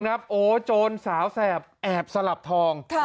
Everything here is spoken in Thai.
โอโจรสาวแสบแอบสลับทอง